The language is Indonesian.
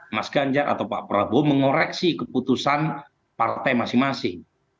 mas ganjar atau pak prabowo mengoreksi keputusan partai masing masing